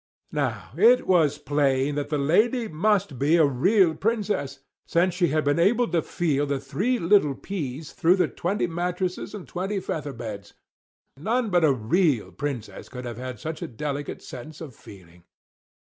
Now it was plain that the lady must be a real Princess, since she had been able to feel the three little peas through the twenty mattresses and twenty feather beds. None but a real Princess could have had such a delicate sense of feeling.